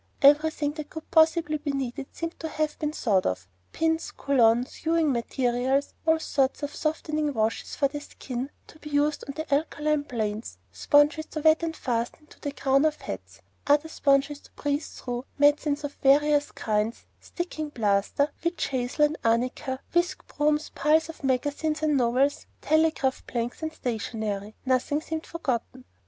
Everything that could possibly be needed seemed to have been thought of, pins, cologne, sewing materials, all sorts of softening washes for the skin, to be used on the alkaline plains, sponges to wet and fasten into the crown of hats, other sponges to breathe through, medicines of various kinds, sticking plaster, witch hazel and arnica, whisk brooms, piles of magazines and novels, telegraph blanks, stationery. Nothing seemed forgotten.